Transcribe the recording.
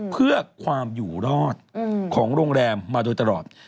เพื่อความอยู่รอดของโรงแรมมาโดยตลอด